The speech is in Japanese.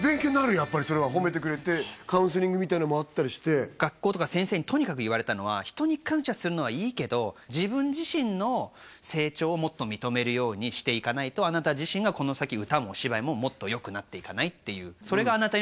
やっぱりそれは褒めてくれてカウンセリングみたいなのもあったりして学校とか先生にとにかく言われたのは人に感謝するのはいいけど自分自身の成長をもっと認めるようにしていかないとあなた自身がこの先歌も芝居ももっとよくなっていかないってそれがあなたには足りないっていうことを歌って